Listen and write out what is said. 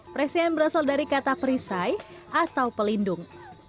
presian berasal dari kata perisai atau pelindung